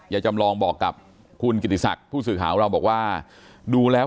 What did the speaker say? จำลองบอกกับคุณกิติศักดิ์ผู้สื่อข่าวของเราบอกว่าดูแล้ว